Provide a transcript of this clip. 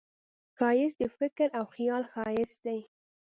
ښایست د فکر او خیال ښایست دی